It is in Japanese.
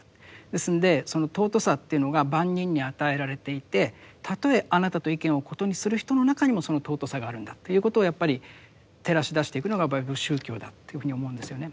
ですんでその尊さというのが万人に与えられていてたとえあなたと意見を異にする人の中にもその尊さがあるんだということをやっぱり照らし出していくのが宗教だっていうふうに思うんですよね。